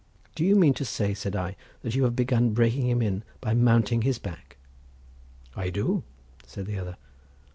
"Do you mean to say," said I, "that you have begun breaking him in by mounting his back?" "I do," said the other.